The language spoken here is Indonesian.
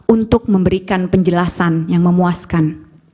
untuk memberikan penjelasan yang memuaskan